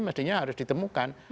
mestinya harus ditemukan